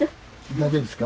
大丈夫ですか？